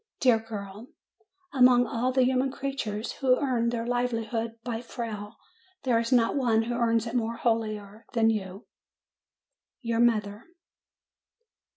Dear girl ! Among all the human creatures who earn their livelihood by fail, there is not one who earns it more holily than you ! YOUR MOTHER.